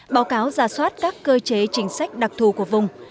báo cáo giả soát các cơ chế chính sách đặc thù của vùng